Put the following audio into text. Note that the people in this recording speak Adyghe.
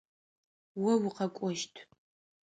О укъэкӏощт.